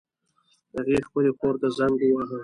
هغې خپلې خور ته زنګ وواهه